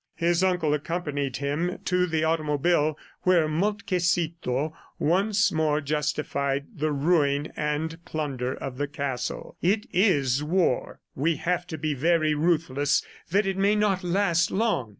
His uncle accompanied him to the automobile where Moltkecito once more justified the ruin and plunder of the castle. "It is war. ... We have to be very ruthless that it may not last long.